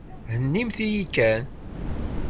Hennimt-yi kan.